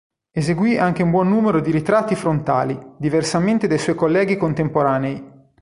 Eseguì anche un buon numero di ritratti frontali, diversamente dai suoi colleghi contemporanei.